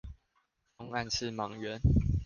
東岸是莽原